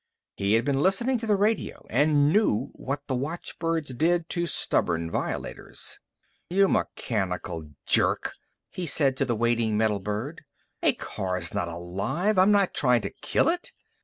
He had been listening to the radio and he knew what the watchbirds did to stubborn violators. "You mechanical jerk," he said to the waiting metal bird. "A car's not alive. I'm not trying to kill it."